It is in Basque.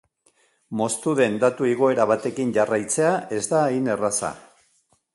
Moztu den datu igoera batekin jarraitzea ez da hain erraza.